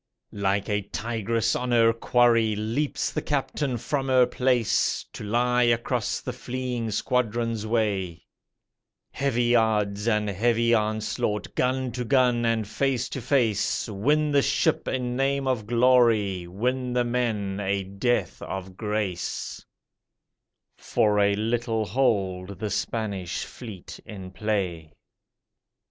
Like a tigress on her quarry leaps the 'Captain' from her place, To lie across the fleeing squadron's way: Heavy odds and heavy onslaught, gun to gun and face to face, Win the ship a name of glory, win the men a death of grace, For a little hold the Spanish fleet in play.